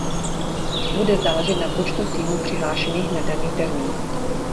Bude záležet na počtu týmů přihlášených na daný termín.